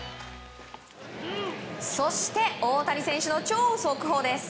そして大谷選手の超速報です。